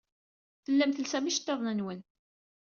Tellam telsam iceḍḍiden-nwen.